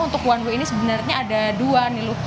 untuk one way ini sebenarnya ada dua nih loh